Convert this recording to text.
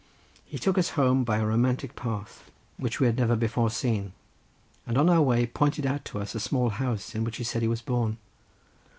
He took us home by a romantic path which we had never before seen, and on our way pointed out to us a small house in which he said he was born.